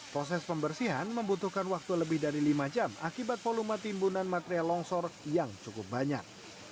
proses pembersihan membutuhkan waktu lebih dari lima jam akibat volume timbunan material longsor yang cukup banyak